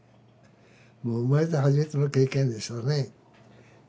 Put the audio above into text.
生まれて初めての経験でしたね